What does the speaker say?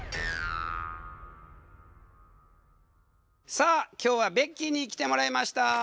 さあ今日はベッキーに来てもらいました。